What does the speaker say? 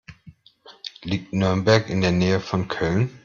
Liegt Nürnberg in der Nähe von Köln?